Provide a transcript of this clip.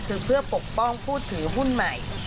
คือเพื่อปกป้องผู้ถือหุ้นใหม่